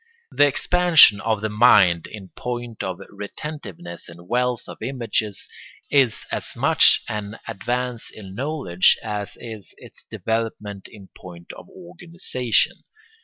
The expansion of the mind in point of retentiveness and wealth of images is as much an advance in knowledge as is its development in point of organisation.